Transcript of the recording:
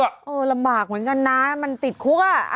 เออลำบากเหมือนกันนะมันติดคุกอ่ะ